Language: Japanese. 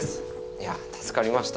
いや助かりました。